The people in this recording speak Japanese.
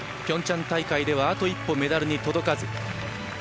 ピョンチャン大会ではあと一歩メダルに届かず。